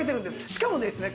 しかもですね